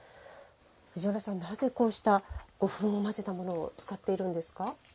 藤原さん、なぜこうした胡粉を混ぜたものを使っているんですか？